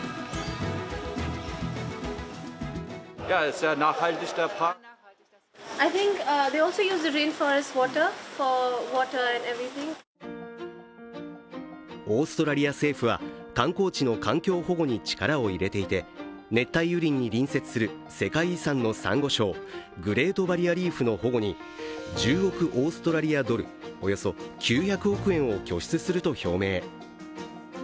観光客はオーストラリア政府は観光地の環境保護に力を入れていて熱帯雨林に隣接する世界遺産のさんご礁、グレートバリアリーフの保護に１０億オーストラリアドルおよそ９００億円を拠出すると表明。